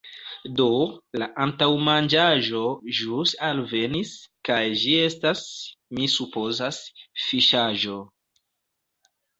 Do, la antaŭmanĝaĵo ĵus alvenis kaj ĝi estas, mi supozas, fiŝaĵo.